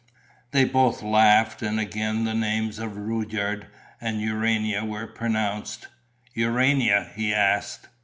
They both laughed; and again the names of Rudyard and Urania were pronounced. "Urania?" he asked.